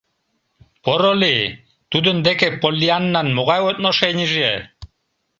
Поро лий, тудын деке Поллианнан могай отношенийже?